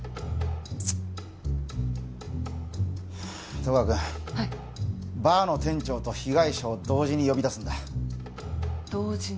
戸川君はいバーの店長と被害者を同時に呼び出すんだ同時に？